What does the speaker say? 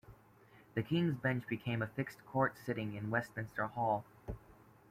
The King's Bench became a fixed court sitting in Westminster Hall.